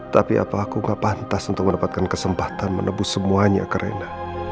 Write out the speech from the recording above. tapi apakah saya tidak pantas untuk mendapatkan kesempatan untuk menembus semuanya karena